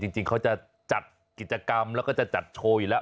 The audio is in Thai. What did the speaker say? จริงเขาจะจัดกิจกรรมแล้วก็จะจัดโชว์อยู่แล้ว